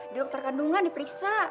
di dokter kandungan diperiksa